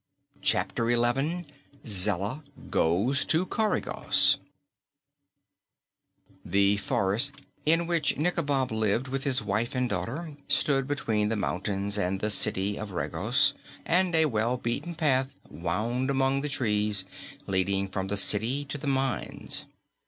Chapter Eleven Zella Goes to Coregos The forest in which Nikobob lived with his wife and daughter stood between the mountains and the City of Regos, and a well beaten path wound among the trees, leading from the city to the mines.